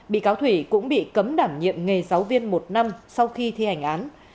bị cáo thủy cũng bị cấm đảm nhiệm nghề giáo viên một năm sau khi thi hành án